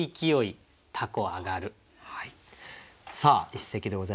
さあ一席でございます。